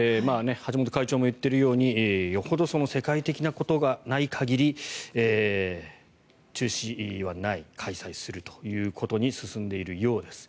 橋本会長も言っているようによほど世界的なことがない限り中止はない開催するということに進んでいるようです。